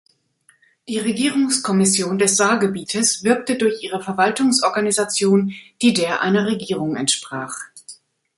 Die Regierungskommission des Saargebietes wirkte durch ihre Verwaltungsorganisation, die der einer Regierung entsprach.